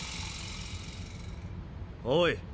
おい。